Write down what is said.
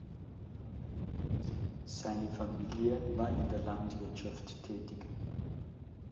Seine Familie war in der Landwirtschaft tätig.